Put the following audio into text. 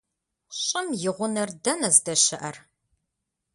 ЩӀым и гъунэр дэнэ здэщыӏэр?